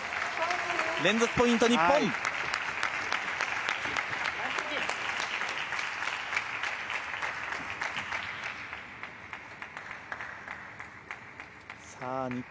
連続ポイント、日本！